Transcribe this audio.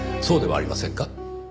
そうではありませんか？